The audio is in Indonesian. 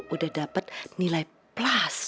udah dapet nilai plus